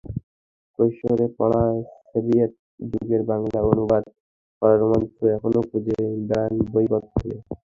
কৈশোরে পড়া সোভিয়েত যুগের বাংলা অনুবাদ পড়ার রোমাঞ্চ এখনো খুঁজে বেড়ান বইপত্রে।